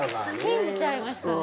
信じちゃいましたね。